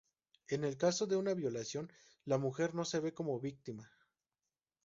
En el caso de una violación, la mujer no se ve como víctima.